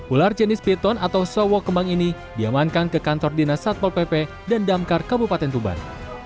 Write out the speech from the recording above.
ular jenis piton atau sowo kembang ini diamankan ke kantor dinas satpol pp dan damkar kabupaten tuban